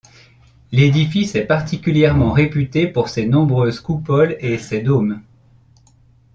L'édifice est particulièrement réputé pour ses nombreuses coupoles et ses dômes.